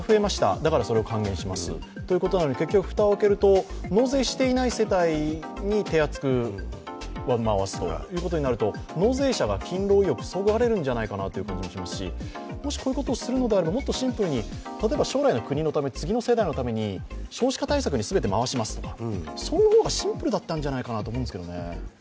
だからそれを還元しますということなのに、結局蓋を開けると納税していない世帯に手厚く回すということになると納税者が勤労意欲をそがれるんじゃないかなという気がしますしもしこういうことをするのであればもっとシンプルに例えば将来の国のため次の世代のために少子化対策に全て回しますとか、その方がシンプルだったんじゃないかなと思いますけど。